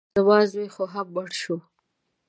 زما زوی خو هم مړ شو.